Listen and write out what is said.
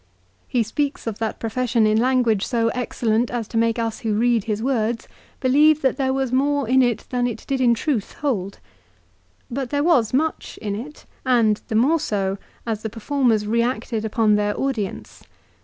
He speaks of that profession in language so excellent as to make us who read his words believe that there was more in it than it did in truth hold. But there was much in it, and, the more so, as the performers re acted upon their audience.